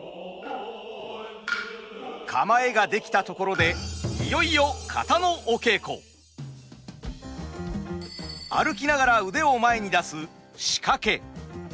構えができたところでいよいよ歩きながら腕を前に出すシカケ。